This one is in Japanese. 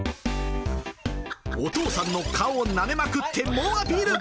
お父さんの顔をなめまくって猛アピール。